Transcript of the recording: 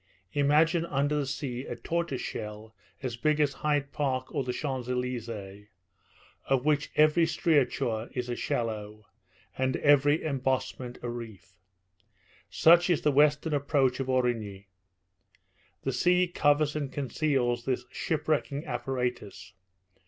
Imagine under the sea a tortoise shell as big as Hyde Park or the Champs Elysées, of which every striature is a shallow, and every embossment a reef. Such is the western approach of Aurigny. The sea covers and conceals this ship wrecking apparatus.